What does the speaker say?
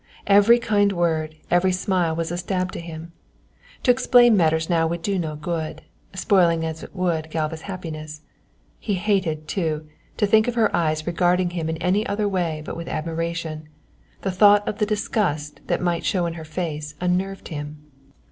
Every kind word, every smile was a stab to him. To explain matters now would do no good, spoiling as it would Galva's happiness. He hated, too, to think of her eyes regarding him in any other way but with admiration, the thought of the disgust that might show in her face unnerved him.